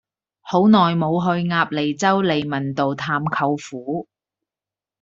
好耐無去鴨脷洲利民道探舅父